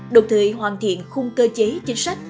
đồng thời hoàn thiện khung cơ chế chính sách